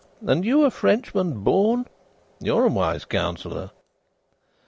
And you a Frenchman born? You are a wise counsellor."